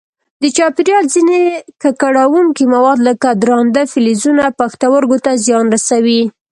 د چاپېریال ځیني ککړونکي مواد لکه درانده فلزونه پښتورګو ته زیان رسوي.